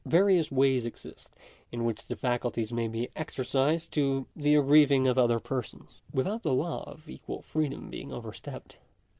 Various ways exist in which the faculties may be exercised to the aggrieving of other persons, without the law of equal free dom being overstepped.